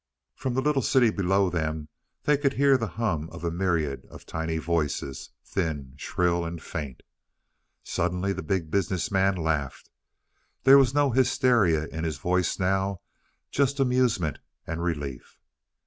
From the little city below them they could hear the hum of a myriad of tiny voices thin, shrill and faint. Suddenly the Big Business Man laughed. There was no hysteria in his voice now just amusement and relief.